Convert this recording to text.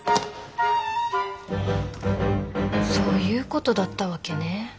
そういうことだったわけね。